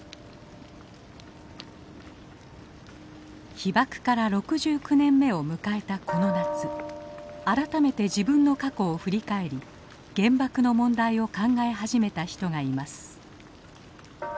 被爆から６９年目を迎えたこの夏改めて自分の過去を振り返り原爆の問題を考え始めた人がいます。